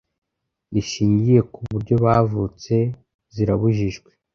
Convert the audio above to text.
rishingiye ku buryo bavutse zirabujijwe